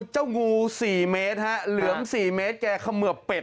เจ้างู๔เมตรหลือม๔เมตรแกคมืพเป็ด